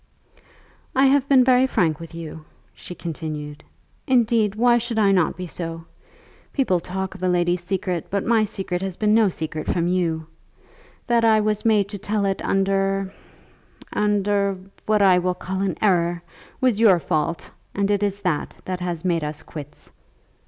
"I have been very frank with you," she continued. "Indeed, why should I not be so? People talk of a lady's secret, but my secret has been no secret from you? That I was made to tell it under, under, what I will call an error, was your fault; and it is that that has made us quits."